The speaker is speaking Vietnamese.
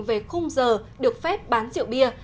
về khung giờ được phép bán rượu bia